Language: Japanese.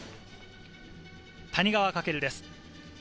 谷川翔です。